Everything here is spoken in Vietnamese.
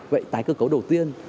vậy tái cơ cấu đầu tiên